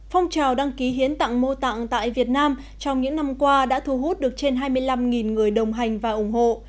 phong trào đăng ký hiến tặng mô tặng tại việt nam trong những năm qua đã thu hút được trên hai mươi năm người đồng hành và ủng hộ